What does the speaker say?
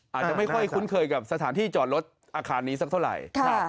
อาจจะไม่ค่อยคุ้นเคยกับสถานที่จอดรถอาคารนี้สักเท่าไหร่